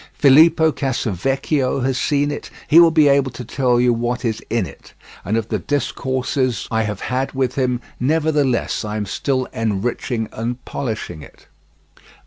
Filippo Casavecchio has seen it; he will be able to tell you what is in it, and of the discourses I have had with him; nevertheless, I am still enriching and polishing it."